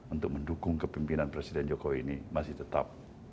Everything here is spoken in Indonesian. untuk mendukung kepimpinan presiden jokowi ini masih tetap